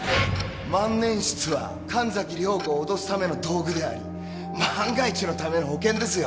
万年筆は神崎涼子を脅すための道具であり万が一のための保険ですよ。